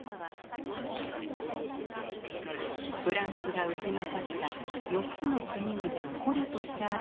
フランスが打ち負かした４つの国々を捕虜として表すブロンズ像。